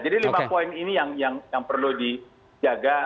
jadi lima poin ini yang perlu dijaga